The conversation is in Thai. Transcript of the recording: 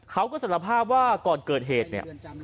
เขาก็สัญลักษณ์ภาพว่าก่อนเกิดเหตุเนี่ย